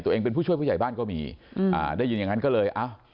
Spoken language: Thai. ตัวเองเป็นผู้ช่วยผู้ใหญ่บ้านก็มีอืมอ่าได้ยินอย่างนั้นก็เลยอ้าว